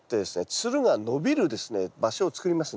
つるが伸びる場所を作りますね